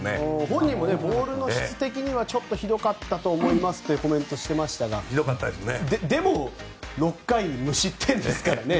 本人もボールの質的にはちょっとひどかったと思いますとコメントしてましたがでも、６回無失点ですからね。